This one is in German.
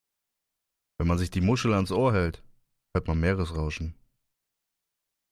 Wenn man sich die Muschel ans Ohr hält, hört man Meeresrauschen.